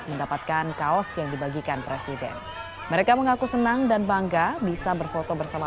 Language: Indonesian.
mendapatkan kaos yang dibagikan presiden mereka mengaku senang dan bangga bisa berfoto bersama